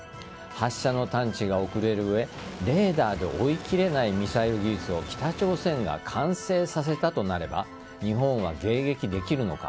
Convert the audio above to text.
発射の探知が遅れる上レーダーで追いきれないミサイル技術を北朝鮮が完成させたとなれば日本は迎撃できるのか。